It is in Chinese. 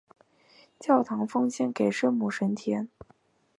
教堂奉献给圣母升天。